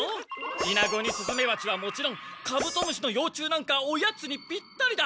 イナゴにスズメバチはもちろんカブトムシの幼虫なんかおやつにぴったりだ！